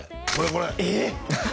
これえっ？